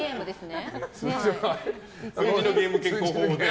数字のゲーム健康法をね。